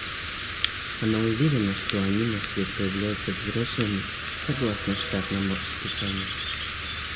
Она уверена, что они на свет появляются взрослыми согласно штатному расписанию.